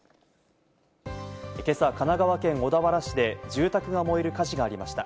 今朝、神奈川県小田原市で住宅が燃える火事がありました。